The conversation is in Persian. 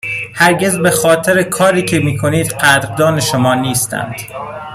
هرگز بخاطر کاری که می کنید قدردان شما نیستند.